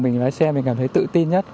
mình lái xe mình cảm thấy tự tin nhất